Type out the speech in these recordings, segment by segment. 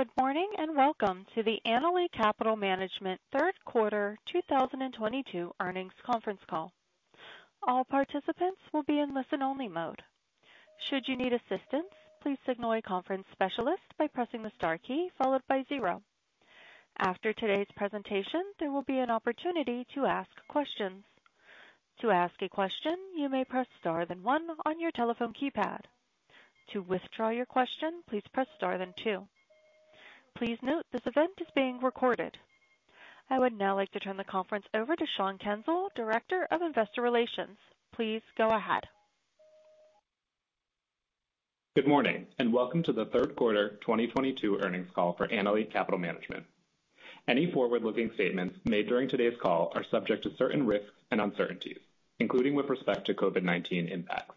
Good morning, and welcome to the Annaly Capital Management third quarter 2022 earnings conference call. All participants will be in listen-only mode. Should you need assistance, please signal a conference specialist by pressing the star key followed by zero. After today's presentation, there will be an opportunity to ask questions. To ask a question, you may press Star then one on your telephone keypad. To withdraw your question, please press Star then two. Please note this event is being recorded. I would now like to turn the conference over to Sean Kensil, Director of Investor Relations. Please go ahead. Good morning, and welcome to the third quarter 2022 earnings call for Annaly Capital Management. Any forward-looking statements made during today's call are subject to certain risks and uncertainties, including with respect to COVID-19 impacts,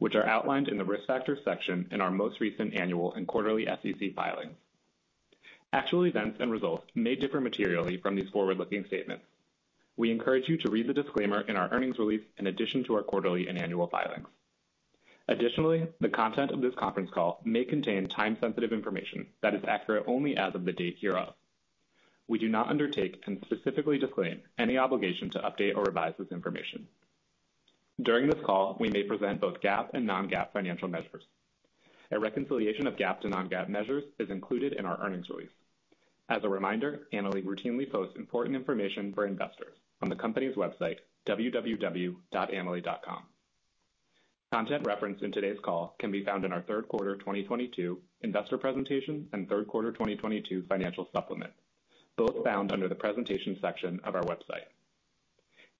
which are outlined in the Risk Factors section in our most recent annual and quarterly SEC filings. Actual events and results may differ materially from these forward-looking statements. We encourage you to read the disclaimer in our earnings release in addition to our quarterly and annual filings. Additionally, the content of this conference call may contain time-sensitive information that is accurate only as of the date hereof. We do not undertake and specifically disclaim any obligation to update or revise this information. During this call, we may present both GAAP and non-GAAP financial measures. A reconciliation of GAAP to non-GAAP measures is included in our earnings release. As a reminder, Annaly routinely posts important information for investors on the company's website, www.annaly.com. Content referenced in today's call can be found in our third quarter 2022 investor presentation and third quarter 2022 financial supplement, both found under the Presentation section of our website.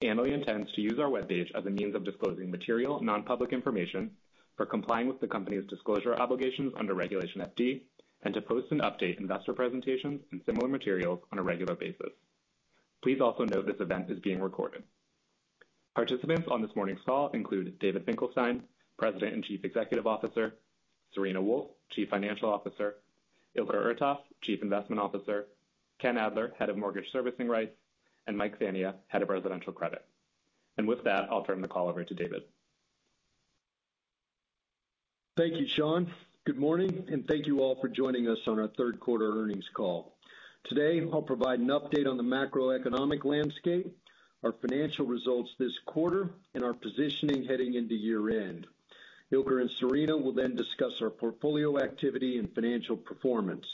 Annaly intends to use our web page as a means of disclosing material non-public information for complying with the company's disclosure obligations under Regulation FD and to post and update investor presentations and similar materials on a regular basis. Please also note this event is being recorded. Participants on this morning's call include David Finkelstein, President and Chief Executive Officer, Serena Wolfe, Chief Financial Officer, Ilker Ertas, Chief Investment Officer, Ken Adler, Head of Mortgage Servicing Rights, and Mike Fania, Head of Residential Credit. With that, I'll turn the call over to David. Thank you, Sean. Good morning, and thank you all for joining us on our third quarter earnings call. Today, I'll provide an update on the macroeconomic landscape, our financial results this quarter, and our positioning heading into year-end. Ilker and Serena will then discuss our portfolio activity and financial performance.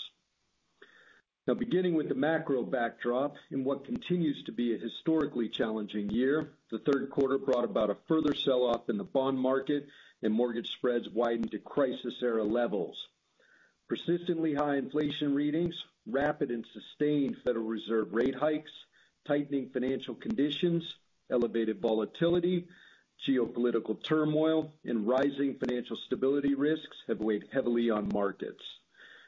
Now, beginning with the macro backdrop in what continues to be a historically challenging year, the third quarter brought about a further sell-off in the bond market and mortgage spreads widened to crisis era levels. Persistently high inflation readings, rapid and sustained Federal Reserve rate hikes, tightening financial conditions, elevated volatility, geopolitical turmoil, and rising financial stability risks have weighed heavily on markets.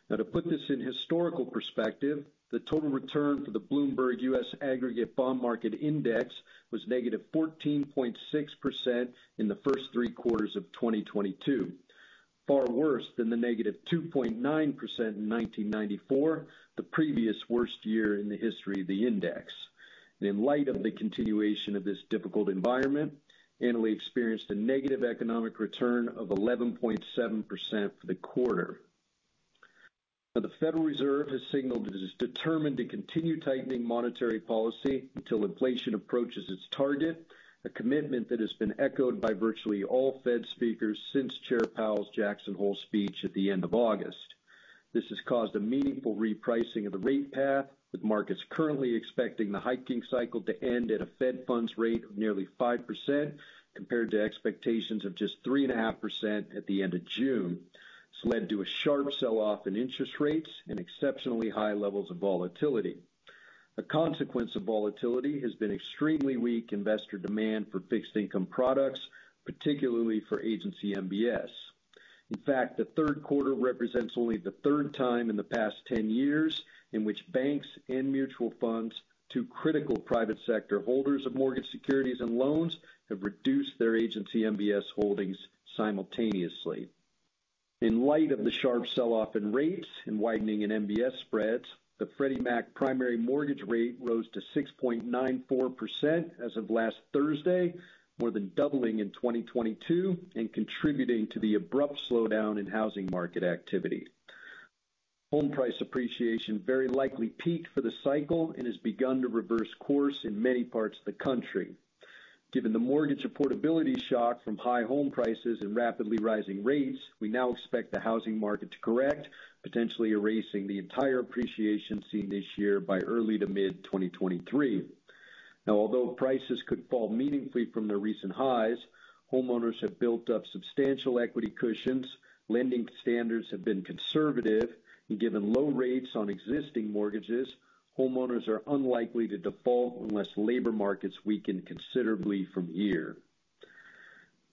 Now to put this in historical perspective, the total return for the Bloomberg U.S. Aggregate Bond Index was negative 14.6% in the first three quarters of 2022, far worse than the negative 2.9% in 1994, the previous worst year in the history of the index. In light of the continuation of this difficult environment, Annaly experienced a negative economic return of 11.7% for the quarter. Now the Federal Reserve has signaled it is determined to continue tightening monetary policy until inflation approaches its target, a commitment that has been echoed by virtually all Fed speakers since Chair Powell's Jackson Hole speech at the end of August. This has caused a meaningful repricing of the rate path, with markets currently expecting the hiking cycle to end at a Fed funds rate of nearly 5% compared to expectations of just 3.5% at the end of June. It's led to a sharp sell-off in interest rates and exceptionally high levels of volatility. A consequence of volatility has been extremely weak investor demand for fixed income products, particularly for Agency MBS. In fact, the third quarter represents only the third time in the past 10 years in which banks and mutual funds, two critical private sector holders of mortgage securities and loans, have reduced their Agency MBS holdings simultaneously. In light of the sharp sell-off in rates and widening in MBS spreads, the Freddie Mac primary mortgage rate rose to 6.94% as of last Thursday, more than doubling in 2022 and contributing to the abrupt slowdown in housing market activity. Home price appreciation very likely peaked for the cycle and has begun to reverse course in many parts of the country. Given the mortgage affordability shock from high home prices and rapidly rising rates, we now expect the housing market to correct, potentially erasing the entire appreciation seen this year by early to mid-2023. Now although prices could fall meaningfully from their recent highs, homeowners have built up substantial equity cushions. Lending standards have been conservative. Given low rates on existing mortgages, homeowners are unlikely to default unless labor markets weaken considerably from here.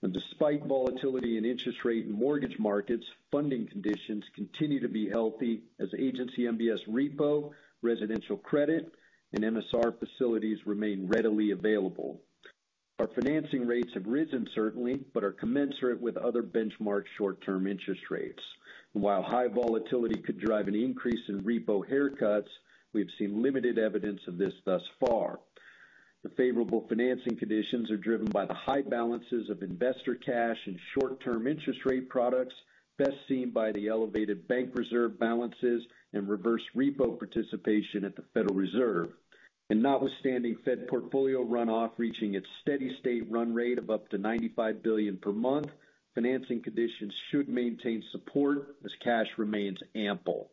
Despite volatility in interest rate and mortgage markets, funding conditions continue to be healthy as agency MBS repo, residential credit, and MSR facilities remain readily available. Our financing rates have risen certainly, but are commensurate with other benchmark short-term interest rates. While high volatility could drive an increase in repo haircuts, we have seen limited evidence of this thus far. The favorable financing conditions are driven by the high balances of investor cash and short-term interest rate products, best seen by the elevated bank reserve balances and reverse repo participation at the Federal Reserve. Notwithstanding Fed portfolio runoff reaching its steady state run rate of up to $95 billion per month, financing conditions should maintain support as cash remains ample.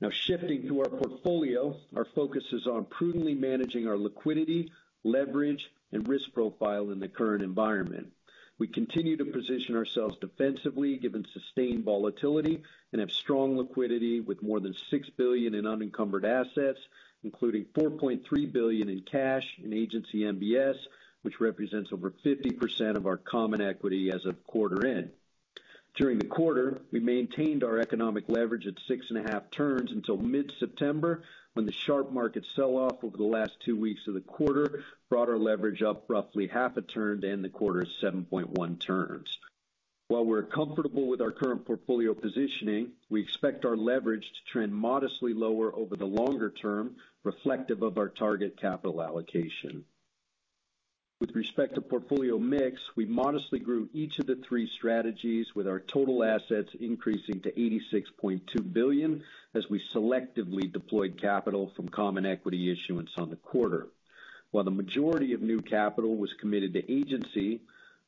Now shifting to our portfolio, our focus is on prudently managing our liquidity, leverage, and risk profile in the current environment. We continue to position ourselves defensively given sustained volatility and have strong liquidity with more than $6 billion in unencumbered assets, including $4.3 billion in cash and Agency MBS, which represents over 50% of our common equity as of quarter end. During the quarter, we maintained our economic leverage at 6.5 turns until mid-September, when the sharp market sell off over the last two weeks of the quarter brought our leverage up roughly half a turn to end the quarter at 7.1 turns. While we're comfortable with our current portfolio positioning, we expect our leverage to trend modestly lower over the longer term, reflective of our target capital allocation. With respect to portfolio mix, we modestly grew each of the three strategies with our total assets increasing to $86.2 billion as we selectively deployed capital from common equity issuance on the quarter. While the majority of new capital was committed to agency,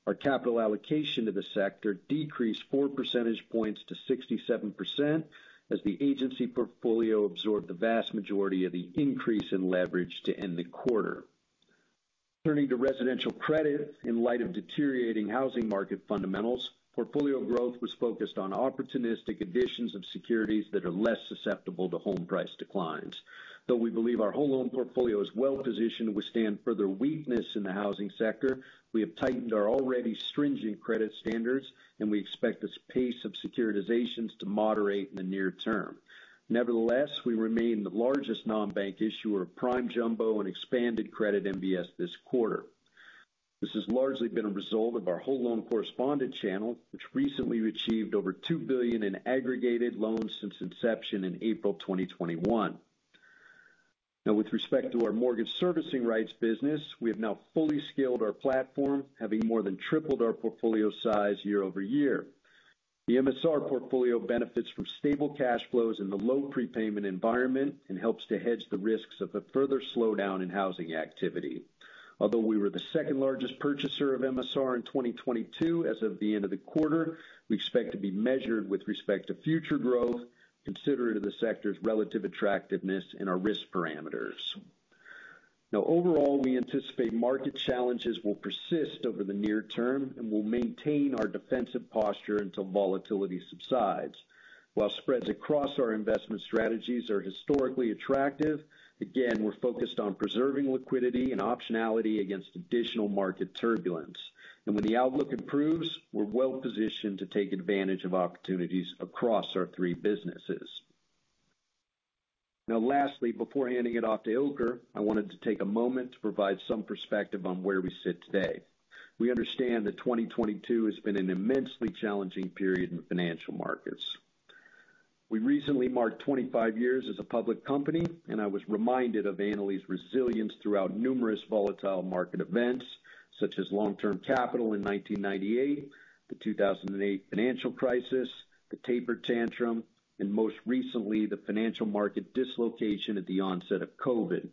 our capital allocation to the sector decreased four percentage points to 67% as the agency portfolio absorbed the vast majority of the increase in leverage to end the quarter. Turning to Residential Credit, in light of deteriorating housing market fundamentals, portfolio growth was focused on opportunistic additions of securities that are less susceptible to home price declines. Though we believe our home loan portfolio is well positioned to withstand further weakness in the housing sector, we have tightened our already stringent credit standards, and we expect this pace of securitizations to moderate in the near term. Nevertheless, we remain the largest non-bank issuer of Prime, Jumbo, and expanded credit MBS this quarter. This has largely been a result of our whole loan correspondent channel, which recently achieved over $2 billion in aggregated loans since inception in April 2021. Now with respect to our Mortgage Servicing Rights business, we have now fully scaled our platform, having more than tripled our portfolio size year-over-year. The MSR portfolio benefits from stable cash flows in the low prepayment environment and helps to hedge the risks of a further slowdown in housing activity. Although we were the second largest purchaser of MSR in 2022 as of the end of the quarter, we expect to be measured with respect to future growth, considerate of the sector's relative attractiveness and our risk parameters. Now overall, we anticipate market challenges will persist over the near term and will maintain our defensive posture until volatility subsides. While spreads across our investment strategies are historically attractive, again, we're focused on preserving liquidity and optionality against additional market turbulence. When the outlook improves, we're well positioned to take advantage of opportunities across our three businesses. Now lastly, before handing it off to Ilker, I wanted to take a moment to provide some perspective on where we sit today. We understand that 2022 has been an immensely challenging period in financial markets. We recently marked 25 years as a public company, and I was reminded of Annaly's resilience throughout numerous volatile market events such as Long-Term Capital in 1998, the 2008 financial crisis, the taper tantrum, and most recently, the financial market dislocation at the onset of COVID.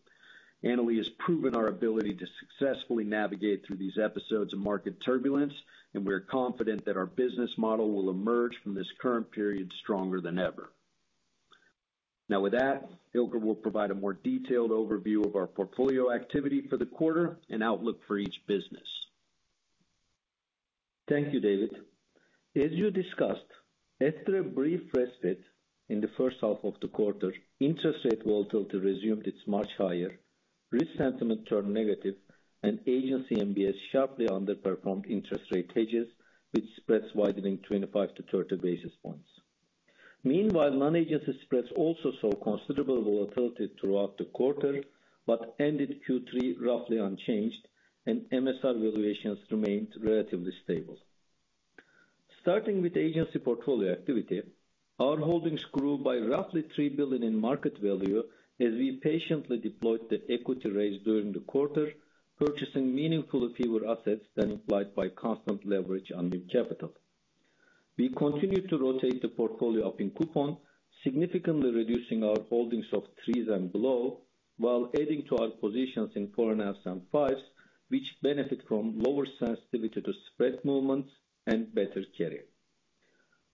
Annaly has proven our ability to successfully navigate through these episodes of market turbulence, and we're confident that our business model will emerge from this current period stronger than ever. Now with that, Ilker will provide a more detailed overview of our portfolio activity for the quarter and outlook for each business. Thank you, David. As you discussed, after a brief respite in the first half of the quarter, interest rate volatility resumed at much higher. Risk sentiment turned negative, and agency MBS sharply underperformed interest rate hedges, with spreads widening 25-30 basis points. Meanwhile, non-agency spreads also saw considerable volatility throughout the quarter but ended Q3 roughly unchanged, and MSR valuations remained relatively stable. Starting with agency portfolio activity, our holdings grew by roughly $3 billion in market value as we patiently deployed the equity raise during the quarter, purchasing meaningfully fewer assets than implied by constant leverage on new capital. We continued to rotate the portfolio up in coupon, significantly reducing our holdings of threes and below, while adding to our positions in four-and-a-halfs and fives, which benefit from lower sensitivity to spread movements and better carry.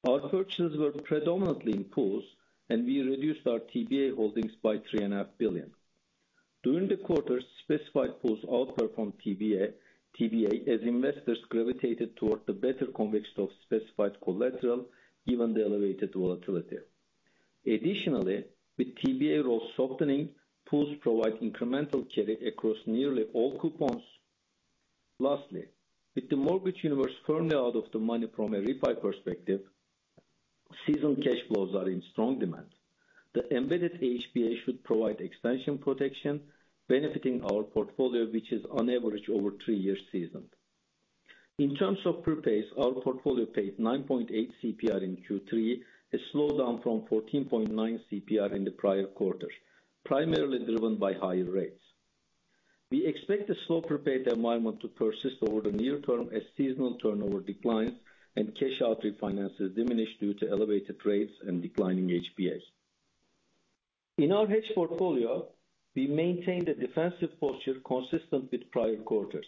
Our purchases were predominantly in pools, and we reduced our TBA holdings by $3.5 billion. During the quarter, specified pools outperformed TBA as investors gravitated toward the better convex of specified collateral given the elevated volatility. Additionally, with TBA roll softening, pools provide incremental carry across nearly all coupons. Lastly, with the mortgage universe firmly out of the money from a refi perspective, seasoned cash flows are in strong demand. The embedded HPA should provide extension protection benefiting our portfolio, which is on average over three years seasoned. In terms of prepays, our portfolio paid 9.8 CPR in Q3, a slowdown from 14.9 CPR in the prior quarter, primarily driven by higher rates. We expect the slow prepay environment to persist over the near term as seasonal turnover declines and cash-out refinances diminish due to elevated rates and declining HPA. In our hedge portfolio, we maintained a defensive posture consistent with prior quarters.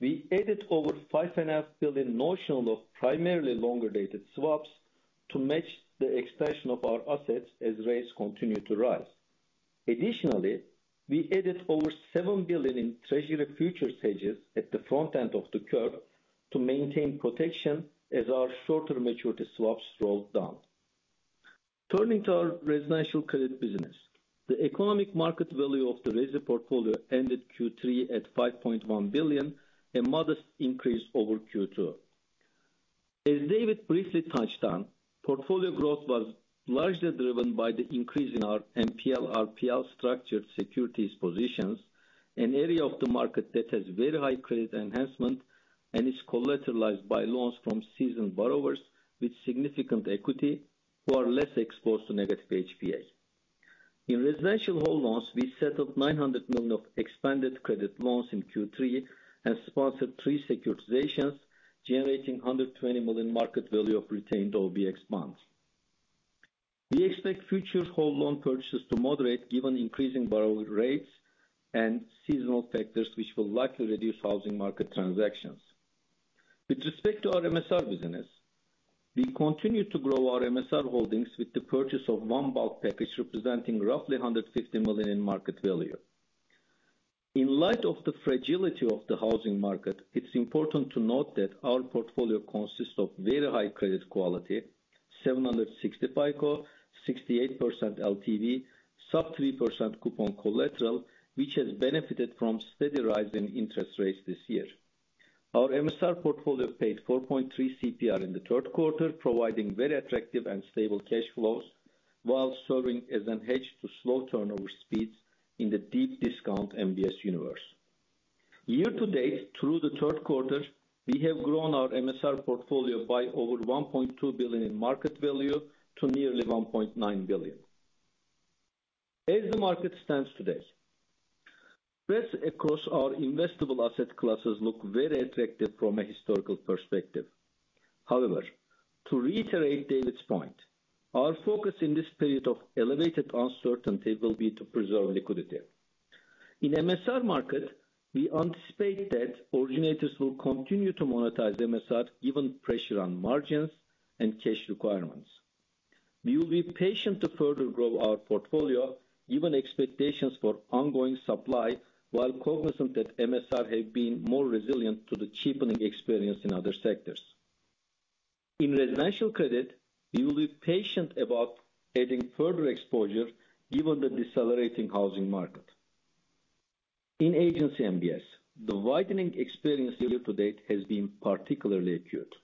We added over $5.5 billion notional of primarily longer-dated swaps to match the expansion of our assets as rates continue to rise. Additionally, we added over $7 billion in treasury future stages at the front end of the curve to maintain protection as our shorter maturity swaps rolled down. Turning to our residential credit business. The economic market value of the resi portfolio ended Q3 at $5.1 billion, a modest increase over Q2. As David briefly touched on, portfolio growth was largely driven by the increase in our MPL/RPL structured securities positions, an area of the market that has very high credit enhancement and is collateralized by loans from seasoned borrowers with significant equity who are less exposed to negative HPA. In residential whole loans, we set up $900 million of expanded credit loans in Q3 and sponsored three securitizations, generating $120 million market value of retained OBX bonds. We expect future whole loan purchases to moderate given increasing borrowing rates and seasonal factors which will likely reduce housing market transactions. With respect to our MSR business, we continue to grow our MSR holdings with the purchase of one bulk package representing roughly $150 million in market value. In light of the fragility of the housing market, it's important to note that our portfolio consists of very high credit quality, 760 FICO, 68% LTV, sub-3% coupon collateral, which has benefited from steady rise in interest rates this year. Our MSR portfolio paid 4.3 CPR in the third quarter, providing very attractive and stable cash flows while serving as a hedge to slow turnover speeds in the deep discount MBS universe. Year to date, through the third quarter, we have grown our MSR portfolio by over $1.2 billion in market value to nearly $1.9 billion. As the market stands today, spreads across our investable asset classes look very attractive from a historical perspective. However, to reiterate David's point, our focus in this period of elevated uncertainty will be to preserve liquidity. In MSR market, we anticipate that originators will continue to monetize MSR given pressure on margins and cash requirements. We will be patient to further grow our portfolio given expectations for ongoing supply, while cognizant that MSR have been more resilient to the cheapening experience in other sectors. In Residential Credit, we will be patient about adding further exposure given the decelerating housing market. In Agency MBS, the widening experience year to date has been particularly acute.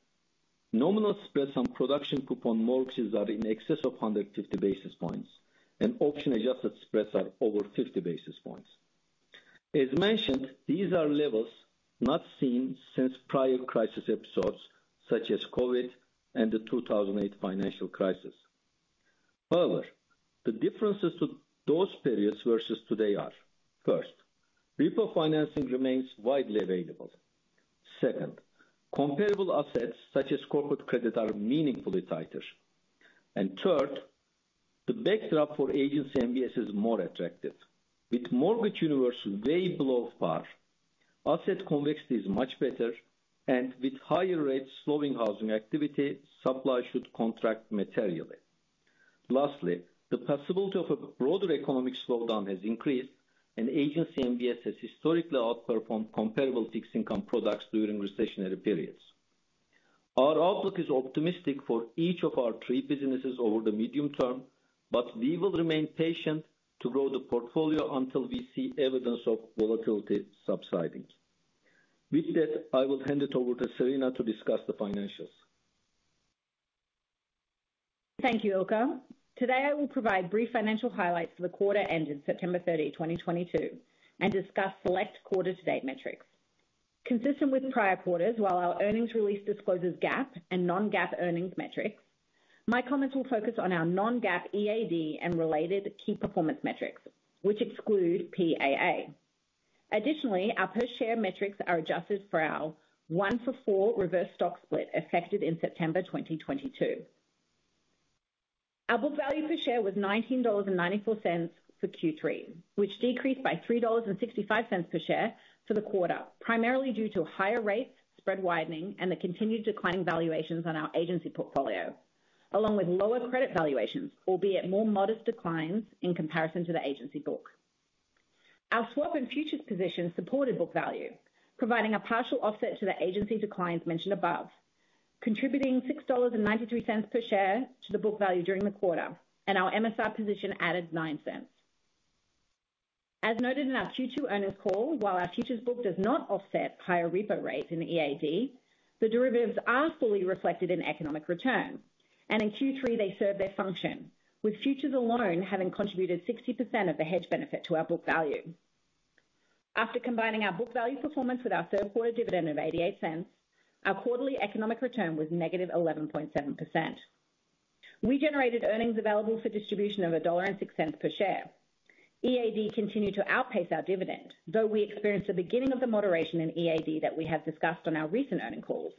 Nominal spreads on production coupon mortgages are in excess of 150 basis points and auction-adjusted spreads are over 50 basis points. As mentioned, these are levels not seen since prior crisis episodes such as COVID and the 2008 financial crisis. However, the differences to those periods versus today are, first, repo financing remains widely available. Second, comparable assets such as corporate credit are meaningfully tighter. And third, the backdrop for Agency MBS is more attractive. With mortgage universe way below par, asset convexity is much better, and with higher rates slowing housing activity, supply should contract materially. Lastly, the possibility of a broader economic slowdown has increased, and Agency MBS has historically outperformed comparable fixed income products during recessionary periods. Our outlook is optimistic for each of our three businesses over the medium term, but we will remain patient to grow the portfolio until we see evidence of volatility subsiding. With that, I will hand it over to Serena to discuss the financials. Thank you, Ilker. Today, I will provide brief financial highlights for the quarter ended September 30, 2022, and discuss select quarter-to-date metrics. Consistent with prior quarters, while our earnings release discloses GAAP and non-GAAP earnings metrics, my comments will focus on our non-GAAP EAD and related key performance metrics, which exclude PAA. Additionally, our per share metrics are adjusted for our 1-for-4 reverse stock split effective in September 2022. Our book value per share was $19.94 for Q3, which decreased by $3.65 per share for the quarter, primarily due to higher rates, spread widening, and the continued declining valuations on our agency portfolio, along with lower credit valuations, albeit more modest declines in comparison to the agency book. Our swap and futures positions supported book value, providing a partial offset to the agency declines mentioned above, contributing $6.93 per share to the book value during the quarter, and our MSR position added $0.09. As noted in our Q2 earnings call, while our futures book does not offset higher repo rates in the EAD, the derivatives are fully reflected in economic return. In Q3 they served their function, with futures alone having contributed 60% of the hedge benefit to our book value. After combining our book value performance with our third quarter dividend of $0.88, our quarterly economic return was -11.7%. We generated earnings available for distribution of $1.06 per share. EAD continued to outpace our dividend, though we experienced the beginning of the moderation in EAD that we have discussed on our recent earnings calls,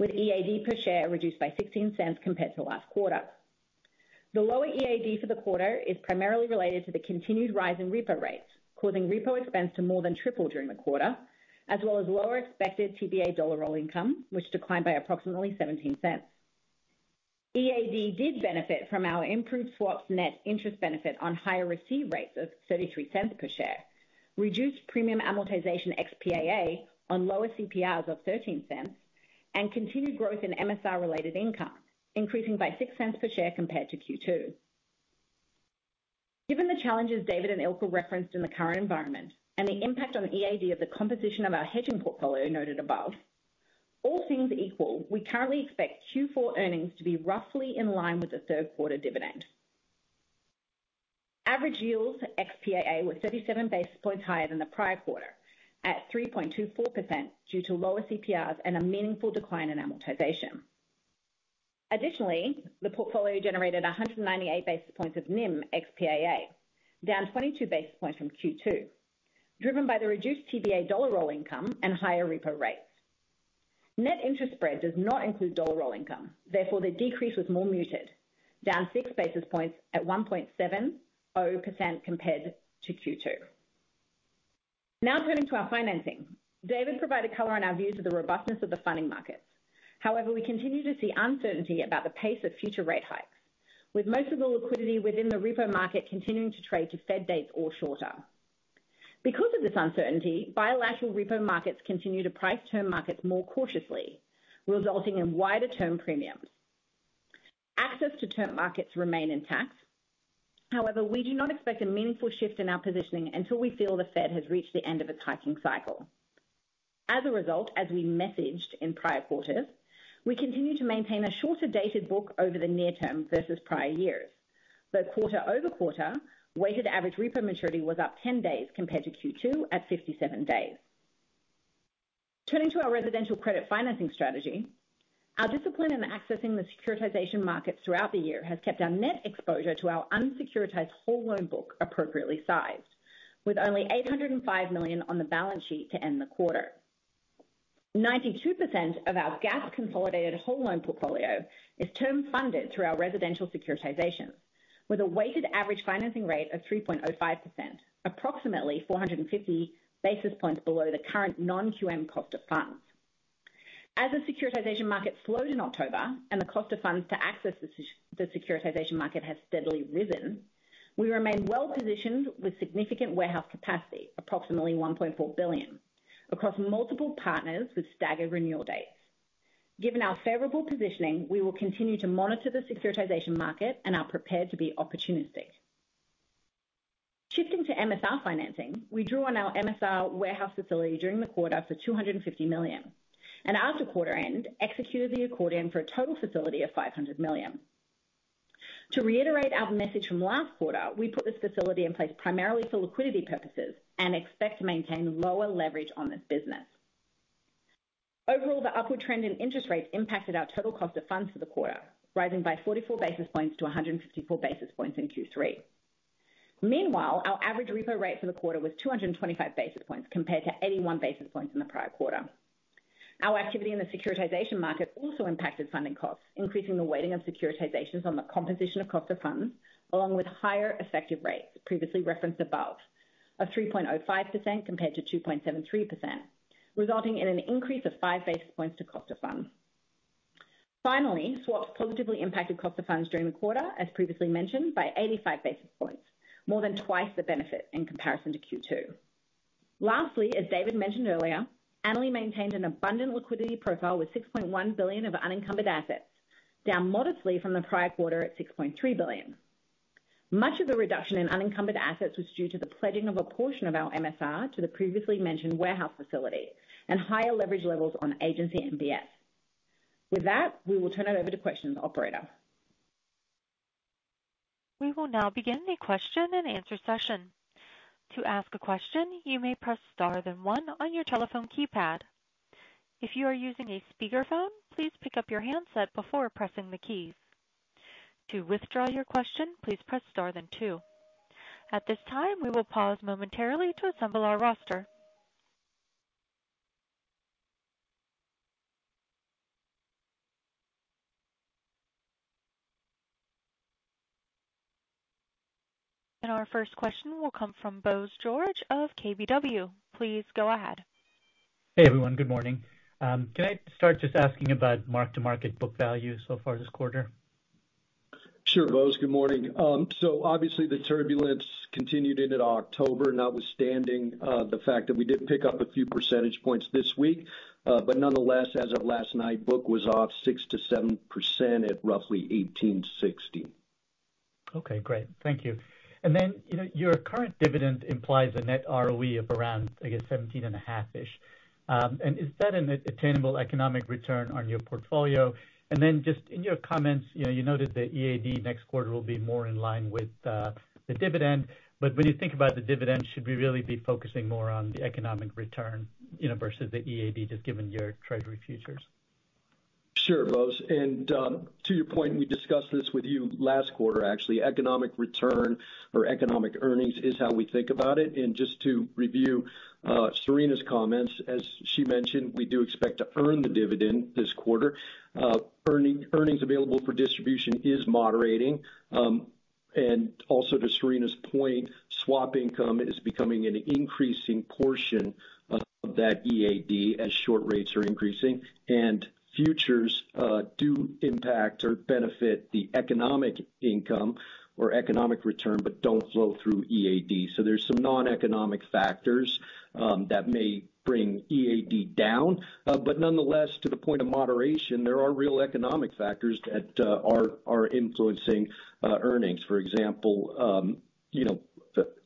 with EAD per share reduced by $0.16 compared to last quarter. The lower EAD for the quarter is primarily related to the continued rise in repo rates, causing repo expense to more than triple during the quarter, as well as lower expected TBA dollar roll income, which declined by approximately $0.17. EAD did benefit from our improved swaps net interest benefit on higher receive rates of $0.33 per share, reduced premium amortization ex-PAA on lower CPRs of $0.13, and continued growth in MSR-related income, increasing by $0.06 per share compared to Q2. Given the challenges David and Ilker referenced in the current environment and the impact on EAD of the composition of our hedging portfolio noted above, all things equal, we currently expect Q4 earnings to be roughly in line with the third quarter dividend. Average yields ex-PAA were 37 basis points higher than the prior quarter at 3.24% due to lower CPRs and a meaningful decline in amortization. Additionally, the portfolio generated 198 basis points of NIM ex-PAA, down 22 basis points from Q2, driven by the reduced TBA dollar roll income and higher repo rates. Net interest spread does not include dollar roll income. Therefore, the decrease was more muted, down 6 basis points at 1.70% compared to Q2. Now turning to our financing. David provided color on our views of the robustness of the funding markets. However, we continue to see uncertainty about the pace of future rate hikes, with most of the liquidity within the repo market continuing to trade to Fed dates or shorter. Because of this uncertainty, bilateral repo markets continue to price term markets more cautiously, resulting in wider term premiums. Access to term markets remain intact. However, we do not expect a meaningful shift in our positioning until we feel the Fed has reached the end of its hiking cycle. As a result, as we messaged in prior quarters, we continue to maintain a shorter dated book over the near term versus prior years. Though quarter-over-quarter, weighted average repo maturity was up 10 days compared to Q2 at 57 days. Turning to our residential credit financing strategy, our discipline in accessing the securitization markets throughout the year has kept our net exposure to our unsecuritized whole loan book appropriately sized with only $805 million on the balance sheet to end the quarter. 92% of our GAAP consolidated whole loan portfolio is term funded through our residential securitizations with a weighted average financing rate of 3.05%, approximately 450 basis points below the current non-QM cost of funds. As the securitization market slowed in October and the cost of funds to access the securitization market has steadily risen, we remain well positioned with significant warehouse capacity, approximately $1.4 billion, across multiple partners with staggered renewal dates. Given our favorable positioning, we will continue to monitor the securitization market and are prepared to be opportunistic. Shifting to MSR financing, we drew on our MSR warehouse facility during the quarter for $250 million and after quarter end executed the accordion for a total facility of $500 million. To reiterate our message from last quarter, we put this facility in place primarily for liquidity purposes and expect to maintain lower leverage on this business. Overall, the upward trend in interest rates impacted our total cost of funds for the quarter, rising by 44 basis points to 154 basis points in Q3. Meanwhile, our average repo rate for the quarter was 225 basis points compared to 81 basis points in the prior quarter. Our activity in the securitization market also impacted funding costs, increasing the weighting of securitizations on the composition of cost of funds, along with higher effective rates previously referenced above of 3.05% compared to 2.73%, resulting in an increase of 5 basis points to cost of funds. Finally, swaps positively impacted cost of funds during the quarter, as previously mentioned, by 85 basis points, more than twice the benefit in comparison to Q2. Lastly, as David mentioned earlier, Annaly maintained an abundant liquidity profile with $6.1 billion of unencumbered assets, down modestly from the prior quarter at $6.3 billion. Much of the reduction in unencumbered assets was due to the pledging of a portion of our MSR to the previously mentioned warehouse facility and higher leverage levels on Agency MBS. With that, we will turn it over to questions, operator. We will now begin the question-and-answer session. To ask a question, you may press star then one on your telephone keypad. If you are using a speakerphone, please pick up your handset before pressing the keys. To withdraw your question, please press star then two. At this time, we will pause momentarily to assemble our roster. Our first question will come from Bose George of KBW. Please go ahead. Hey, everyone. Good morning. Can I start just asking about mark-to-market book value so far this quarter? Sure, Bose. Good morning. Obviously the turbulence continued into October, notwithstanding the fact that we did pick up a few percentage points this week. Nonetheless, as of last night, book was off 6%-7%, at roughly $18.60. Okay, great. Thank you. Then, you know, your current dividend implies a net ROE of around, I guess, 17.5-ish. And is that an attainable economic return on your portfolio? Then just in your comments, you know, you noted the EAD next quarter will be more in line with the dividend. But when you think about the dividend, should we really be focusing more on the economic return, you know, versus the EAD just given your Treasury futures? Sure, Bose. To your point, we discussed this with you last quarter actually. Economic return or economic earnings is how we think about it. Just to review, Serena's comments, as she mentioned, we do expect to earn the dividend this quarter. Earnings available for distribution is moderating. Also to Serena's point, swap income is becoming an increasing portion of that EAD as short rates are increasing. Futures do impact or benefit the economic income or economic return but don't flow through EAD. There's some non-economic factors that may bring EAD down. Nonetheless, to the point of moderation, there are real economic factors that are influencing earnings. For example, you know,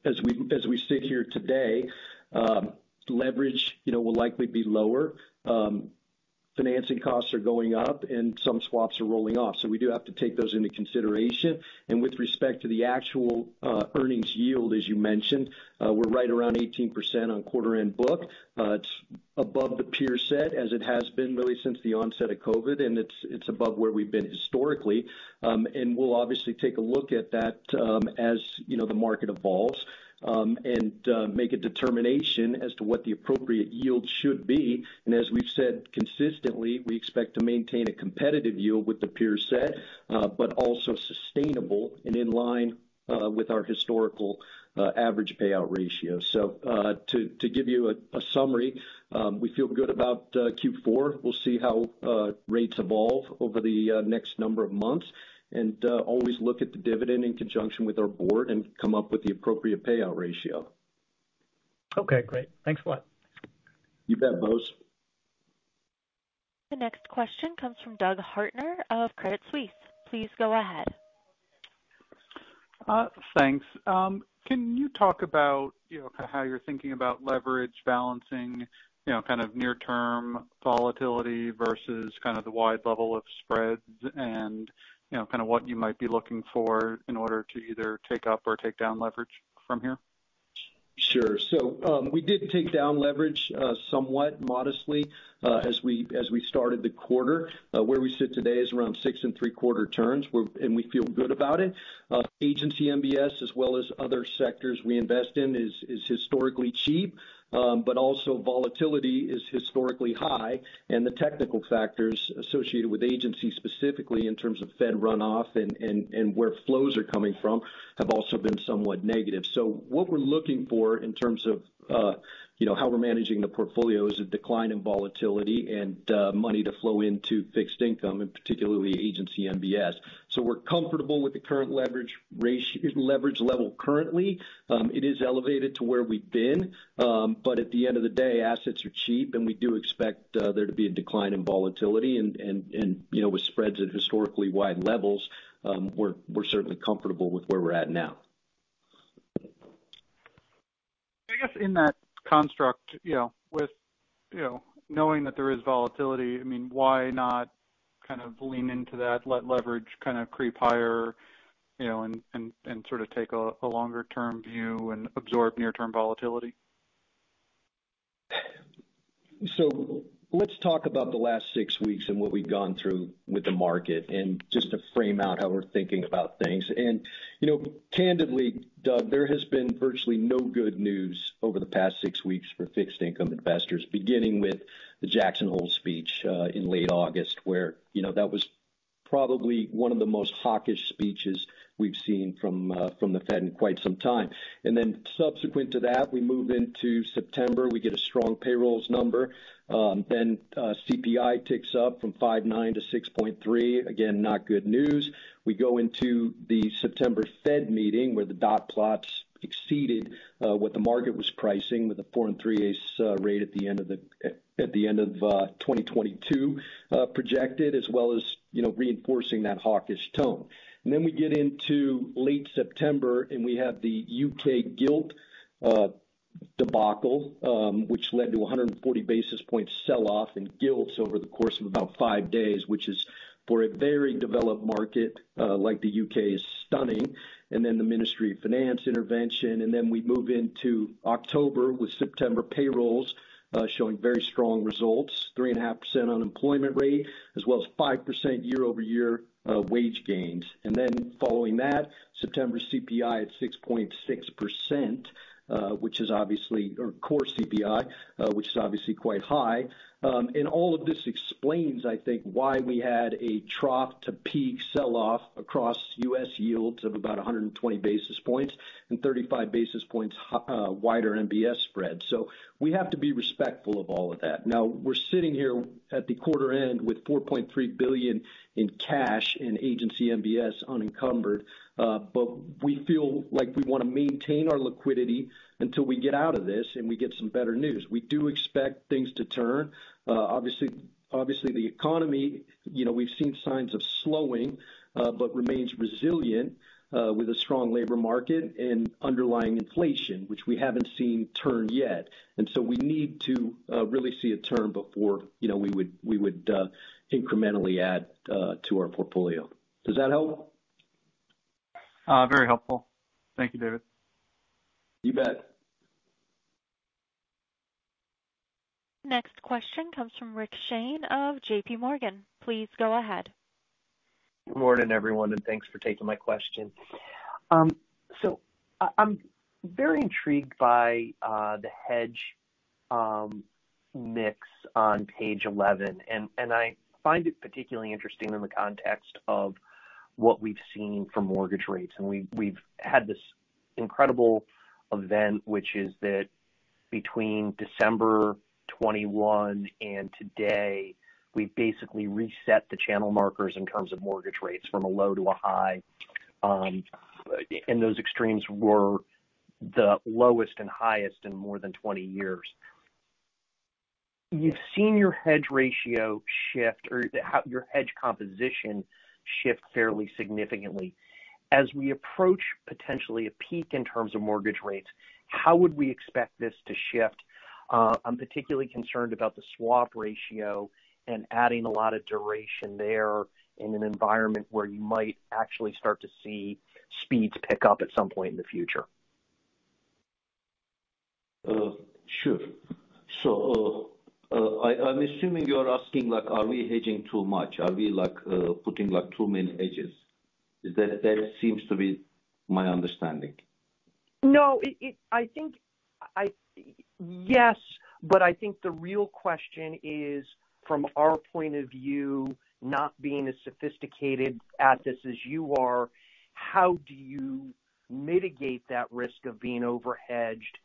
as we sit here today, leverage, you know, will likely be lower. Financing costs are going up and some swaps are rolling off. We do have to take those into consideration. With respect to the actual earnings yield, as you mentioned, we're right around 18% on quarter end book. It's above the peer set as it has been really since the onset of COVID, and it's above where we've been historically. We'll obviously take a look at that, as you know, the market evolves, and make a determination as to what the appropriate yield should be. As we've said consistently, we expect to maintain a competitive yield with the peer set, but also sustainable and in line with our historical average payout ratio. To give you a summary, we feel good about Q4. We'll see how rates evolve over the next number of months and always look at the dividend in conjunction with our board and come up with the appropriate payout ratio. Okay, great. Thanks a lot. You bet, Bose. The next question comes from Doug Harter of Credit Suisse. Please go ahead. Thanks. Can you talk about, you know, how you're thinking about leverage balancing, you know, kind of near term volatility versus kind of the wide level of spreads and, you know, kind of what you might be looking for in order to either take up or take down leverage from here? Sure. We did take down leverage, somewhat modestly, as we started the quarter. Where we sit today is around 6.75 turns, and we feel good about it. Agency MBS as well as other sectors we invest in is historically cheap. Also volatility is historically high. The technical factors associated with agency specifically in terms of Fed runoff and where flows are coming from have also been somewhat negative. What we're looking for in terms of, you know, how we're managing the portfolio is a decline in volatility and, money to flow into fixed income and particularly Agency MBS. We're comfortable with the current leverage level currently. It is elevated to where we've been. At the end of the day, assets are cheap, and we do expect there to be a decline in volatility. You know, with spreads at historically wide levels, we're certainly comfortable with where we're at now. I guess in that construct, you know, with, you know, knowing that there is volatility, I mean, why not kind of lean into that, let leverage kind of creep higher, you know, and sort of take a longer term view and absorb near term volatility? Let's talk about the last six weeks and what we've gone through with the market, and just to frame out how we're thinking about things. You know, candidly, Doug, there has been virtually no good news over the past six weeks for fixed income investors, beginning with the Jackson Hole speech in late August, where, you know, that was probably one of the most hawkish speeches we've seen from the Fed in quite some time. Subsequent to that, we move into September. We get a strong payrolls number. Then, CPI ticks up from 5.9% to 6.3%. Again, not good news. We go into the September Fed meeting, where the dot plots exceeded what the market was pricing with a 4 3/8 rate at the end of 2022 projected, as well as you know reinforcing that hawkish tone. We get into late September, and we have the U.K. gilt debacle, which led to a 140 basis points sell-off in gilts over the course of about five days, which is for a very developed market like the U.K., is stunning. The Bank of England intervention. We move into October with September payrolls showing very strong results, 3.5% unemployment rate, as well as 5% year-over-year wage gains. Following that, September CPI at 6.6%, which is obviously, or core CPI, which is obviously quite high. All of this explains, I think, why we had a trough-to-peak sell-off across U.S. yields of about 120 basis points and 35 basis points wider MBS spread. We have to be respectful of all of that. Now, we're sitting here at the quarter end with $4.3 billion in cash in agency MBS unencumbered. But we feel like we wanna maintain our liquidity until we get out of this and we get some better news. We do expect things to turn. Obviously the economy. You know, we've seen signs of slowing, but remains resilient, with a strong labor market and underlying inflation, which we haven't seen turn yet. We need to really see a turn before, you know, we would incrementally add to our portfolio. Does that help? Very helpful. Thank you, David. You bet. Next question comes from Rick Shane of JPMorgan. Please go ahead. Good morning, everyone, and thanks for taking my question. I'm very intrigued by the hedge mix on page 11, and I find it particularly interesting in the context of what we've seen for mortgage rates. We've had this incredible event, which is that between December 2021 and today, we basically reset the channel markers in terms of mortgage rates from a low to a high. Those extremes were the lowest and highest in more than 20 years. We've seen your hedge ratio shift or how your hedge composition shift fairly significantly. As we approach potentially a peak in terms of mortgage rates, how would we expect this to shift? I'm particularly concerned about the swap ratio and adding a lot of duration there in an environment where you might actually start to see speeds pick up at some point in the future. Sure. I'm assuming you're asking like, are we hedging too much? Are we like, putting like, too many hedges? That seems to be my understanding. No, yes, but I think the real question is, from our point of view, not being as sophisticated at this as you are, how do you mitigate that risk of being overhedged,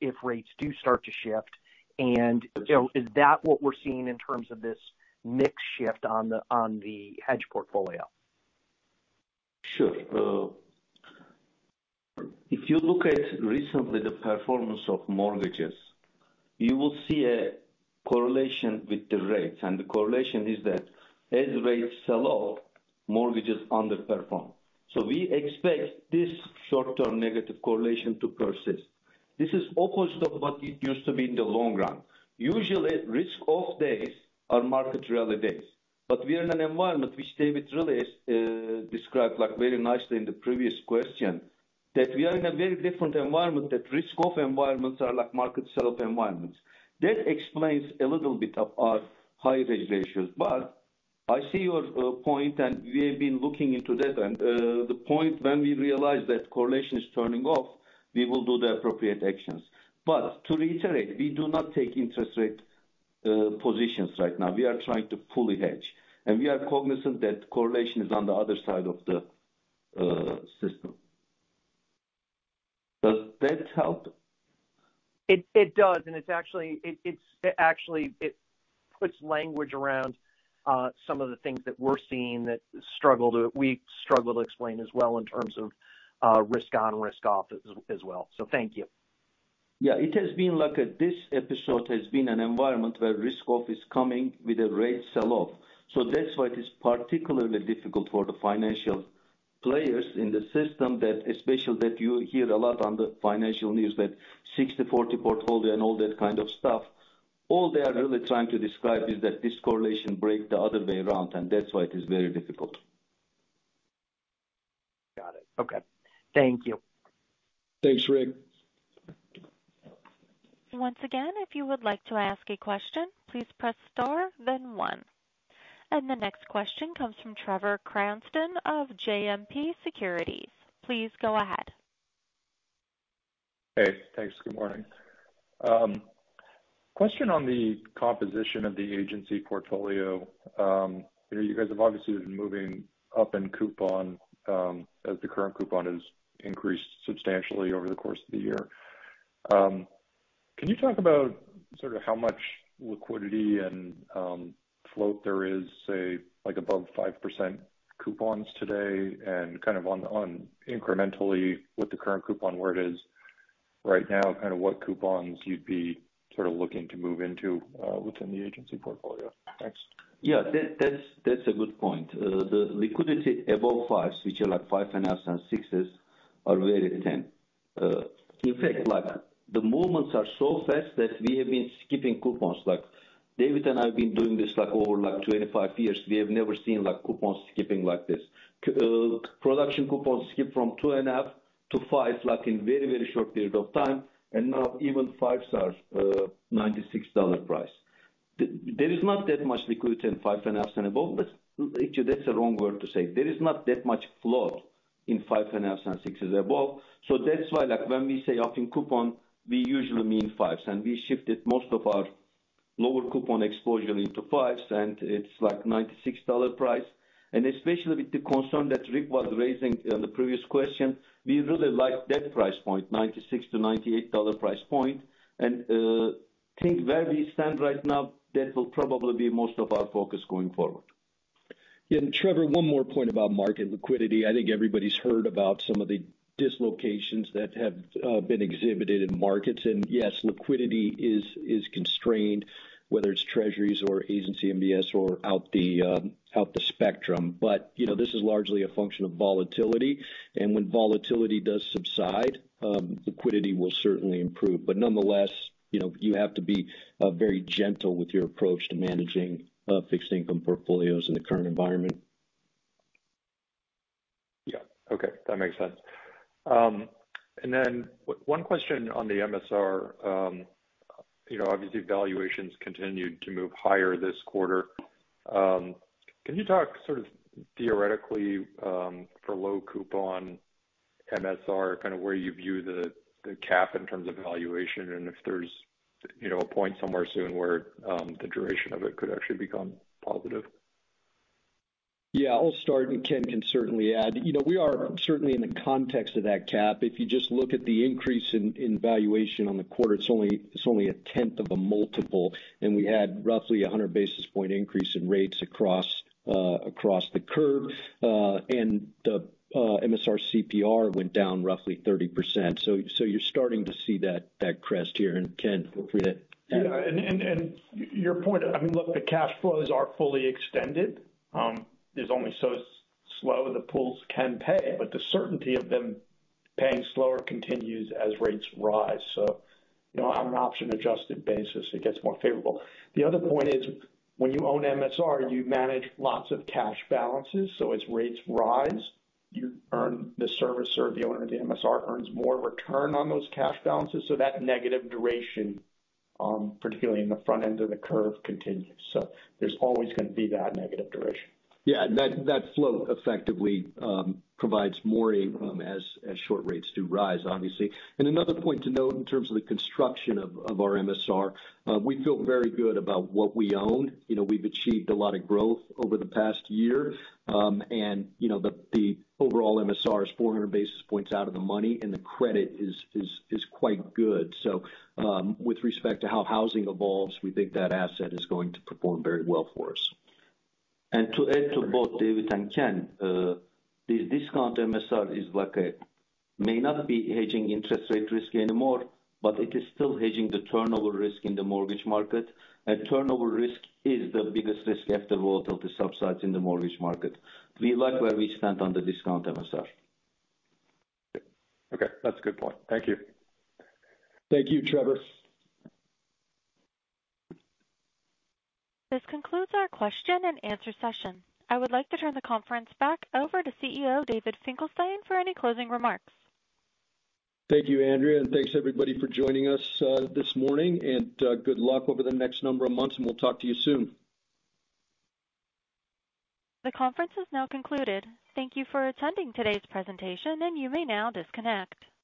if rates do start to shift? You know, is that what we're seeing in terms of this mix shift on the hedge portfolio? Sure. If you look at recently the performance of mortgages, you will see a correlation with the rates. The correlation is that as rates sell off, mortgages underperform. We expect this short-term negative correlation to persist. This is opposite of what it used to be in the long run. Usually risk off days are market rally days. We are in an environment which David really, like, very nicely described in the previous question, that we are in a very different environment that risk off environments are like market sell off environments. That explains a little bit of our high hedge ratios. I see your point and we have been looking into that. The point when we realize that correlation is turning off, we will do the appropriate actions. To reiterate, we do not take interest rate positions right now. We are trying to fully hedge, and we are cognizant that correlation is on the other side of the system. Does that help? It does. It actually puts language around some of the things that we're seeing we struggle to explain as well in terms of risk on, risk off as well. Thank you. Yeah. It has been like this episode has been an environment where risk off is coming with a rate sell-off. That's why it is particularly difficult for the financial players in the system that, especially that you hear a lot on the financial news, that 60/40 portfolio and all that kind of stuff. All they are really trying to describe is that this correlation break the other way around, and that's why it is very difficult. Got it. Okay. Thank you. Thanks, Rick. Once again, if you would like to ask a question, please press star then one. The next question comes from Trevor Cranston of JMP Securities. Please go ahead. Hey, thanks. Good morning. Question on the composition of the agency portfolio. You know, you guys have obviously been moving up in coupon, as the current coupon has increased substantially over the course of the year. Can you talk about sort of how much liquidity and float there is, say like above 5% coupons today and kind of on incrementally with the current coupon where it is right now, kind of what coupons you'd be sort of looking to move into, within the agency portfolio? Thanks. Yeah. That's a good point. The liquidity above fives, which are like 5.5% sixes are very thin. In fact, like, the movements are so fast that we have been skipping coupons. Like David and I have been doing this like over like 25 years. We have never seen like coupon skipping like this. Production coupons skip from 2.5 to 5 like in very, very short period of time, and now even fives at $96 price. There is not that much liquidity in 5.5% and above. But actually that's the wrong word to say. There is not that much flow in 5.5% and sixes above. That's why like when we say up in coupon, we usually mean fives. We shifted most of our lower coupon exposure into fives and it's like $96 price. Especially with the concern that Rick was raising on the previous question, we really like that price point, $96-$98 price point. I think where we stand right now, that will probably be most of our focus going forward. Yeah. Trevor, one more point about market liquidity. I think everybody's heard about some of the dislocations that have been exhibited in markets. Yes, liquidity is constrained, whether it's Treasuries or Agency MBS or across the spectrum. You know, this is largely a function of volatility, and when volatility does subside, liquidity will certainly improve. Nonetheless, you know, you have to be very gentle with your approach to managing fixed income portfolios in the current environment. Yeah. Okay, that makes sense. One question on the MSR. You know, obviously valuations continued to move higher this quarter. Can you talk sort of theoretically, for low coupon MSR, kind of where you view the cap in terms of valuation and if there's, you know, a point somewhere soon where the duration of it could actually become positive? Yeah, I'll start, and Ken can certainly add. You know, we are certainly in the context of that cap. If you just look at the increase in valuation on the quarter, it's only 0.1 of a multiple, and we had roughly 100 basis point increase in rates across the curve. The MSR CPR went down roughly 30%. So you're starting to see that crest here. Ken, feel free to add. Yeah. Your point, I mean, look, the cash flows are fully extended. There's only so slow the pools can pay, but the certainty of them paying slower continues as rates rise. You know, on an option adjusted basis, it gets more favorable. The other point is when you own MSR, you manage lots of cash balances. As rates rise, the servicer, the owner of the MSR, earns more return on those cash balances. That negative duration, particularly in the front end of the curve, continues. There's always gonna be that negative duration. Yeah. That flow effectively provides more income as short rates do rise, obviously. Another point to note in terms of the construction of our MSR, we feel very good about what we own. You know, we've achieved a lot of growth over the past year. You know, the overall MSR is 400 basis points out of the money, and the credit is quite good. With respect to how housing evolves, we think that asset is going to perform very well for us. To add to both David and Ken, the discount MSR may not be hedging interest rate risk anymore, but it is still hedging the turnover risk in the mortgage market. Turnover risk is the biggest risk after volatility subsides in the mortgage market. We like where we stand on the discount MSR. Okay. That's a good point. Thank you. Thank you, Trevor. This concludes our question and answer session. I would like to turn the conference back over to CEO, David Finkelstein, for any closing remarks. Thank you, Andrea, and thanks everybody for joining us, this morning. Good luck over the next number of months, and we'll talk to you soon. The conference is now concluded. Thank you for attending today's presentation, and you may now disconnect.